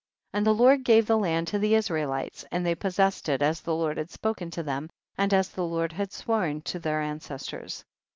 24. And the Lord gave the land to the Israelites, and they possessed it as the Lord had spoken to thena, and as the Lord had sworn to their ancestors.